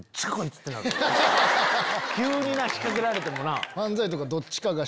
急にな仕掛けられてもな。